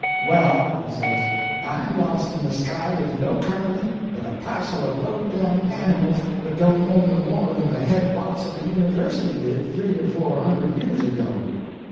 "Well," he says, "I'm lost in the sky with no company but a passel of low down animals that don't know no more than the head boss of a university did three or four hundred years ago."